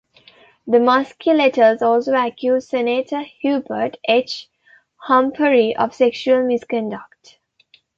The Muskie letters also accused Senator Hubert H. Humphrey of sexual misconduct.